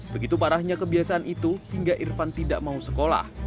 begitu parahnya kebiasaan itu hingga irfan tidak mau sekolah